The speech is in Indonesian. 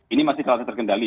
ini masih terkendali